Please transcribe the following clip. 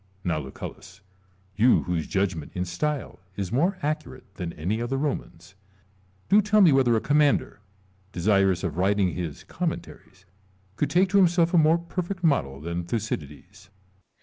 Now, Lucullus, you whose judgment in style is more accurate than any other Roman's, do tell me whether a commander, desirous of writing his Cotnmentaries, could take to himself a more perfect model than Thucydides 1 Lucullus.